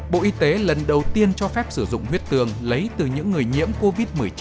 bộ y tế lần đầu tiên cho phép sử dụng huyết tương lấy từ những người nhiễm covid một mươi chín